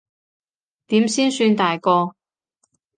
點先算大個？